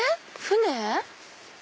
船？